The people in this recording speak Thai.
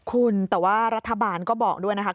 คุณแต่ว่ารัฐบาลก็บอกด้วยนะครับ